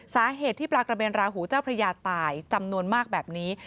สาเหตุที่ปลากระเบนราหูเจ้าพระยาตายจำนวนมากแบบนี้